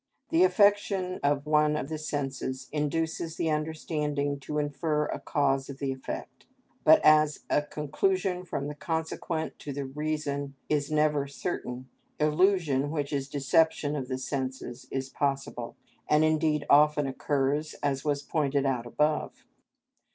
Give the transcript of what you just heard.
The affection of one of the senses induces the understanding to infer a cause of the effect, but, as a conclusion from the consequent to the reason is never certain, illusion, which is deception of the senses, is possible, and indeed often occurs, as was pointed out above.